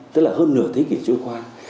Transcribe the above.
tức là hơn nửa thế kỷ trôi khoan